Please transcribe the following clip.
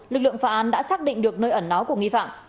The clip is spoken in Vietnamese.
lực lượng phà án đã xác định được nơi ẩn nó của nghi phạm